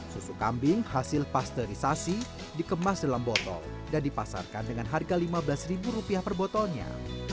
susu kambing hasil pasterisasi dikemas dalam botol dan dipasarkan dengan harga lima belas per botolnya